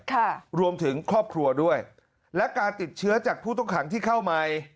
ค่ะรวมถึงครอบครัวด้วยและการติดเชื้อจากผู้ต้องขังที่เข้าใหม่